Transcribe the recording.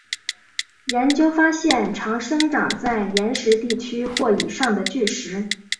研究发现常生长在岩石地区或以上的巨石。